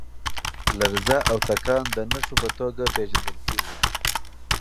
لرزه او تکان د نښو په توګه پېژندل کېږي.